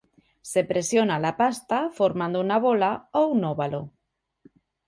Se presiona la pasta formando una bola o un óvalo.